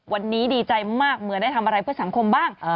วันนี้ดีใจมากเหมือนได้ทำอะไรเพื่อสังคมบ้าง